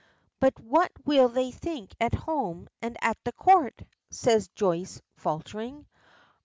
"But what will they think at home and at the Court?" says Joyce, faltering.